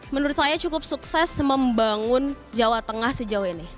menurut saya cukup sukses membangun jawa tengah sejauh ini